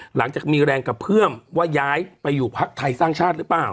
หลังจากมีแรงกระเพื่อมว่าย้ายไปอยู่พักไทยสร้างชาติหรือเปล่า